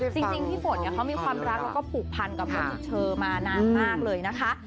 จริงก็มีความรักแล้วก็ผูกพันกับเขามานานมากเลยนะคะ